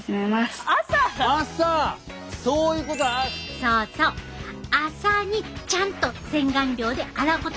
そうそう朝にちゃんと洗顔料で洗うこと。